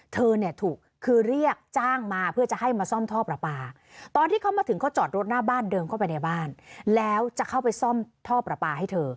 เธอเนี่ยถูกคือเรียกจ้างมาเพื่อจะให้มาซ่อมท่อประปาตอนที่เขามาถึงเขาจอดรถหน้าบ้านเดินเข้าไปในบ้านแล้วจะเข้าไปซ่อมท่อประปาให้เธอ